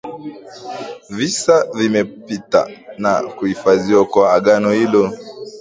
Visa vimepita na kuhifadhiwa kwa agano hilo